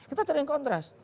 kita cari yang kontras